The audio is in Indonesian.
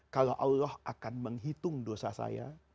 kalau allah akan menghitung dosa saya